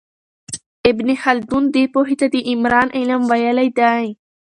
ابن خلدون دې پوهې ته د عمران علم ویلی دی.